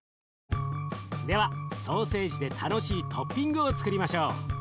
ではソーセージで楽しいトッピングをつくりましょう。